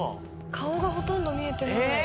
顔がほとんど見えてない。